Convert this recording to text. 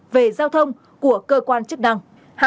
về giao thông của cơ quan chức năng